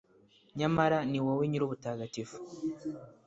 nyamara ni wowe nyir'ubutagatifu